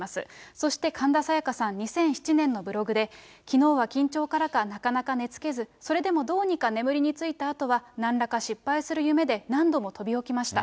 そして神田沙也加さん、２００７年のブログで、きのうは緊張からかなかなか寝つけず、それでもどうにか眠りについたあとはなんらか失敗する夢で、何度も飛び起きました。